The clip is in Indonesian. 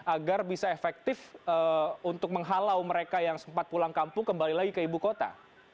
agar bisa efektif untuk menghalau mereka yang sempat pulang kampung kembali lagi ke ibu kota